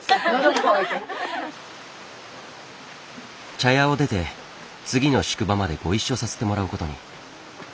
茶屋を出て次の宿場までご一緒させてもらうことに。